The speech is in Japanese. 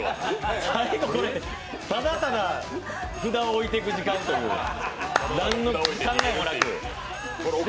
最後これ、ただただ札を置いていく時間という、何の考えもなく。